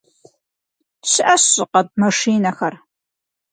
Щыӏэщ щӏыкъэтӏ машинэхэр.